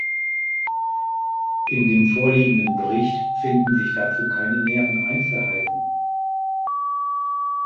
In dem vorliegenden Bericht finden sich dazu keine näheren Einzelheiten.